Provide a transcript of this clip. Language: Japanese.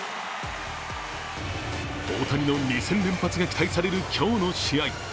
大谷の２戦連発が期待される今日の試合。